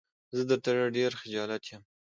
زه درته ډېر خجالت يم.